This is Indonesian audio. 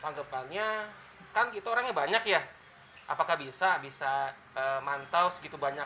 tahun depannya kan kita orangnya banyak ya apakah bisa bisa mantau segitu banyak